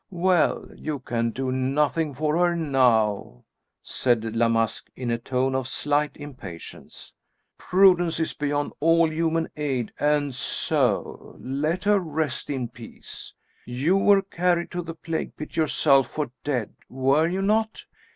"Well, you can do nothing for her now," said La Masque, in a tone of slight impatience. "Prudence is beyond all human aid, and so let her rest in peace. You were carried to the plague pit yourself, for dead, were you not?"